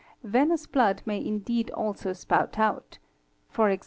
Venous blood may indeed also spout out (e.g.